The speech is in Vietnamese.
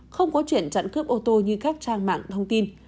không có chuyện chặn cướp ô tô như các trang mạng thông tin